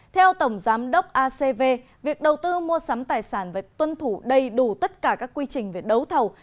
theo tổng giám đốc acv việc đầu tư mua sắm tài sản phải tuân thủ đầy đủ tất cả các quy trình về đấu thầu